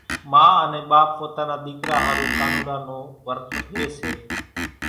ما انين ٻاپ پوتا نا ۮيڪرا ۿارُو ڪانوڙا نون ورت رئي سي۔